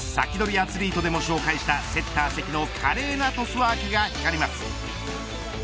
アツリートでも紹介したセッター関の華麗なトスワークが光ります。